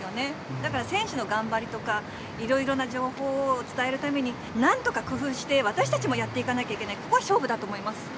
だから選手の頑張りとか、いろいろな情報を伝えるためになんとか工夫して、私たちもやっていかなきゃいけない、ここは勝負だと思います。